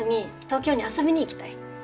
東京に遊びに行きたい。